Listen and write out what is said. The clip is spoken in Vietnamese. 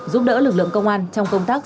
giúp đỡ lực lượng công an trong công tác